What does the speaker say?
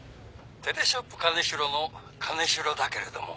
『テレショップ金城』の金城だけれども。